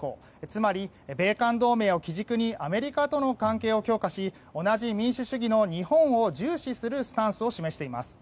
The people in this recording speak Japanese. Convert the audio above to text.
つまり米韓同盟を基軸にアメリカとの関係を強化し同じ民主主義の日本を重視するスタンスを示しています。